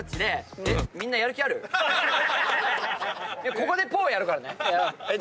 ここで「ぽー」やるからね。